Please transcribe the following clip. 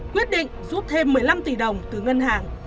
quyết định rút thêm một mươi năm tỷ đồng từ ngân hàng